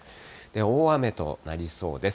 大雨となりそうです。